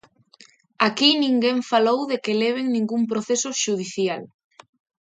Aquí ninguén falou de que leven ningún proceso xudicial.